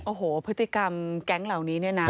โอ้โหพฤติกรรมแก๊งเหล่านี้เนี่ยนะ